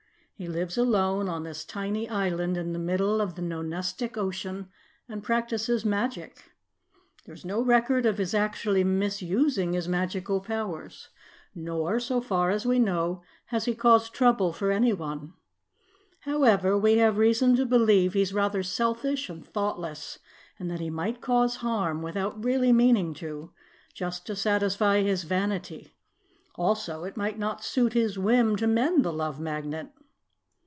He lives alone on this tiny island in the middle of the Nonestic Ocean and practices magic. There is no record of his actually misusing his magical powers. Nor, so far as we know, has he caused trouble for anyone. However, we have reason to believe he is rather selfish and thoughtless and that he might cause harm, without really meaning to, just to satisfy his vanity. Also, it might not suit his whim to mend the Love Magnet."